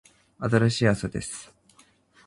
新しい朝です。